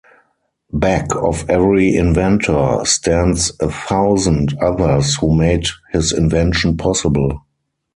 Back of every inventor stands a thousand others who made his invention possible.